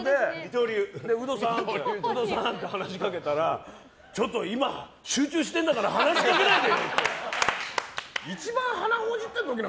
ウドさんって話しかけたらちょっと今、集中してるんだから話しかけないで！